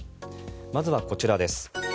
まずはこちらです。